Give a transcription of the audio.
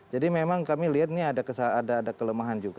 jadi memang kami lihat ini ada kesalahan ada kelemahan juga